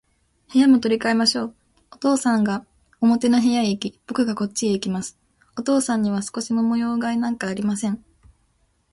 部屋も取り変えましょう。お父さんが表の部屋へいき、ぼくがこっちへきます。お父さんには少しも模様変えなんかありません。